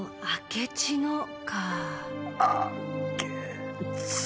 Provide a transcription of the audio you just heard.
あけちの。